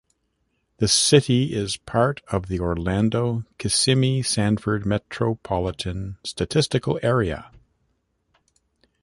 The city is part of the Orlando-Kissimmee-Sanford Metropolitan Statistical Area.